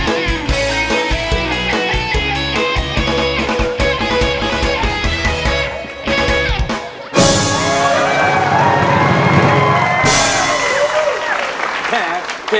โอ้โอ้โอ้โอ้